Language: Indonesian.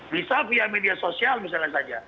bisa via media sosial misalnya saja